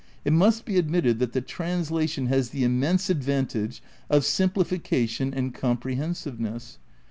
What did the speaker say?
It must be admitted that the translation has the immense advantage of sim plification and comprehensiveness.